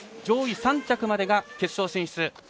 上位３着までが決勝進出。